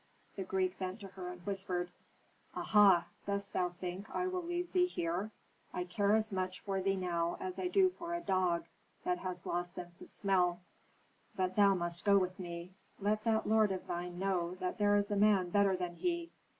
The Greek bent to her, and whispered, "Aha! Dost think that I will leave thee here? I care as much for thee now as I do for a dog that has lost sense of smell. But thou must go with me. Let that lord of thine know that there is a man better than he.